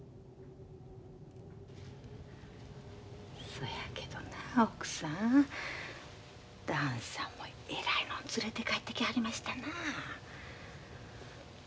そやけどな奥さん旦さんもえらいもん連れて帰ってきはりましたな。